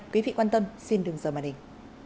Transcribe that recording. quý vị quan tâm xin đừng dờ màn hình